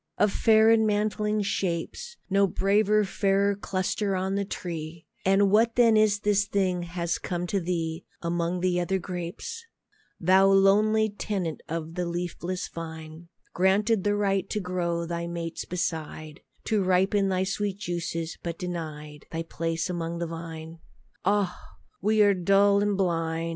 Of fair and mantling shapes, No braver, fairer cluster on the tree; And what then is this thing has come to thee Among the other grapes, Thou lonely tenant of the leafless vine, Granted the right to grow thy mates beside, To ripen thy sweet juices, but denied Thy place among the wine? Ah! we are dull and blind.